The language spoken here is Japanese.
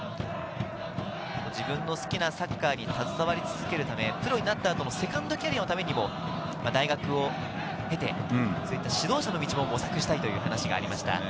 自分の好きなサッカーに携わり続けるため、プロになったあとのセカンドキャリアのためにも、大学を出て、指導者の道も模索したいという話がありました。